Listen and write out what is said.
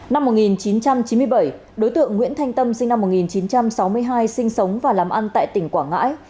năm một nghìn chín trăm chín mươi bảy đối tượng nguyễn thanh tâm sinh năm một nghìn chín trăm sáu mươi hai sinh sống và làm ăn tại tỉnh quảng ngãi